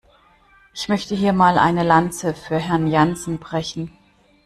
Ich möchte hier mal eine Lanze für Herrn Jansen brechen.